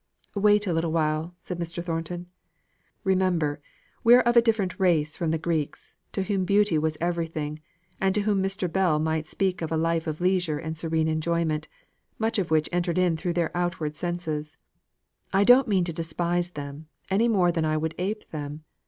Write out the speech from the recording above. "Wait a little while," said Mr. Thornton. "Remember we are of a different race from the Greeks, to whom beauty was everything, and to whom Mr. Bell might speak of a life of leisure and serene enjoyment, much of which entered in through their outward senses. I don't mean to despise them, any more than I would ape them.